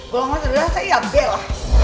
golongan sederhana saya ya bela